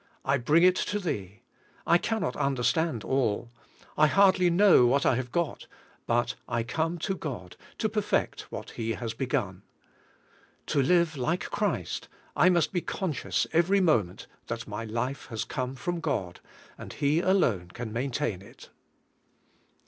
I bring it to Thee. I cannot understand all. I hardly know what I have got, but I come to God to perfect what He has begun." To live like Christ, I must be con scious ever}^ moment that my life has come from God, and He alone can maintain it.